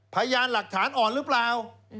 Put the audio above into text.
พยานหลักฐานอ่อนหรือเปล่า